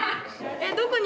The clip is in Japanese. えっどこに？